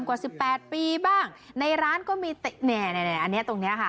กว่าสิบแปดปีบ้างในร้านก็มีเนี่ยเนี่ยเนี่ยอันเนี้ยตรงเนี้ยค่ะ